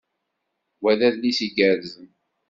Wa d adlis igerrzen.